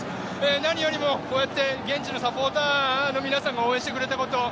何よりも、こうやって現地のサポーターの皆さんが応援してくれたこと。